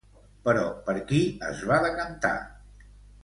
Però, per qui es va decantar?